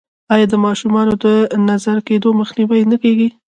آیا د ماشومانو د نظر کیدو مخنیوی نه کیږي؟